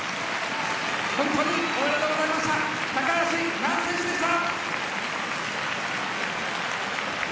本当におめでとうございました高橋藍選手でした。